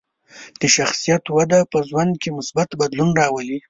د شخصیت وده په ژوند کې مثبت بدلون راولي.